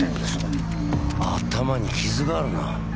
頭に傷があるな。